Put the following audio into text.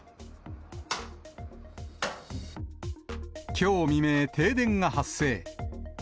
きょう未明、停電が発生。